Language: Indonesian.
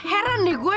heran deh gue